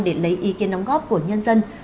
để lấy ý kiến đóng góp của nhân dân